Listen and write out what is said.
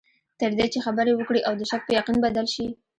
تر دې چې خبرې وکړې او د شک په یقین بدل شي.